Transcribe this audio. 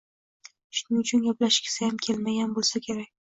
Shuning uchun gaplashgisiyam kelmagan boʻlsa kerak…